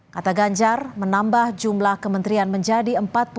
kata ganjar menambah jumlah kementerian menjadi empat puluh lima